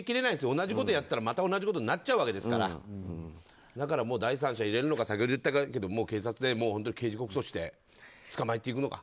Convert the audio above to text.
同じことやったらまた同じことになっちゃうわけですからだから第三者を入れるかもう警察で刑事告訴して捕まえていくのか。